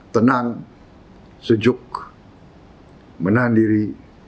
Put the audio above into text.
tenang sejuk menahan diri